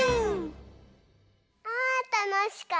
あたのしかった！